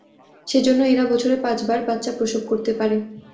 সেজন্য এরা বছরে পাঁচ বার বাচ্চা প্রসব করতে পারে।